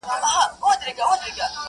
چي له وېري راوتای نه سي له کوره-